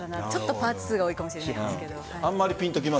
パーツ数が多いかもしれませんけど。